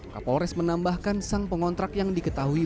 kapolres menambahkan sang pengontrak yang diketahui